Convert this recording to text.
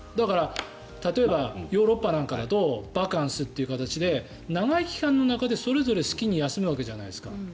だから、例えばヨーロッパなんかだとバカンスという形で長い期間の中でそれぞれ好きに休むわけじゃないですか。